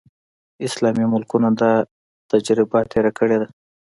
اسلامي ملکونو دا تجربه تېره کړې ده.